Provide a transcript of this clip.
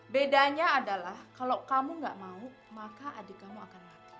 bedanya adalah kalau kamu gak mau maka adik kamu akan mati